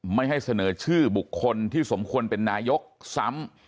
ไม่ให้เสนอชื่อบุคคลที่สมควรเป็นนายกซ้ำ